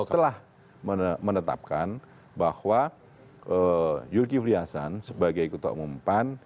telah menetapkan bahwa yulki friassan sebagai ketua umum pan